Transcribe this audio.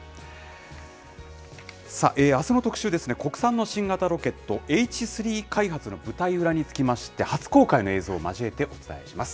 さあ、あすの特集ですね、国産の新型ロケットＨ３開発の舞台裏につきまして、初公開の映像を交えてお伝えします。